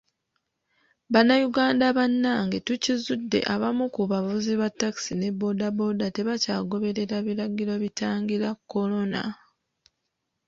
Bannayuganda bannange, tukizudde abamu ku bavuzi ba takisi ne bodaboda tebakyagoberera biragiro bitangira kolona.